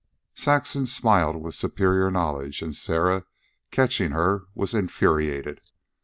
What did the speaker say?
Saxon smiled with superior knowledge, and Sarah, catching her, was infuriated.